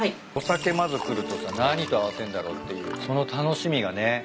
「お酒まず来るとさ何と合わせんだろうっていうその楽しみがね」